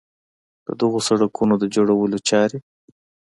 د دغو سړکونو د جوړولو چارې